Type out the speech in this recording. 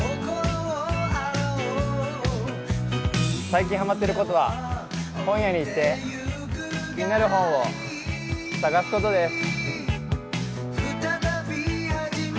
最近ハマっていることは、本屋に行って気になる本を探すことです。